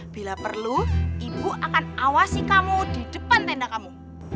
bila perlu ibu akan awasi kamu di depan tenda kamu